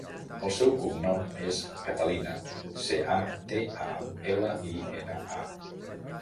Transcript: El seu cognom és Catalina: ce, a, te, a, ela, i, ena, a.